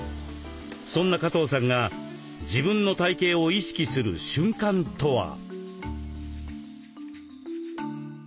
そんな加藤さんが自分の体形を意識する瞬間とは？